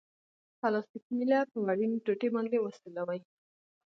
پلاستیکي میله په وړیني ټوټې باندې وسولوئ.